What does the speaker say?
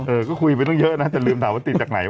เออก็คุยไปตั้งเยอะนะอย่าลืมถามว่าติดจากไหน